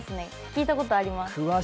聞いたことあります。